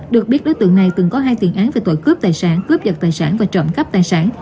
được biết đối tượng này từng có hai tiền án về tội cướp tài sản cướp giật tài sản và trộm cắp tài sản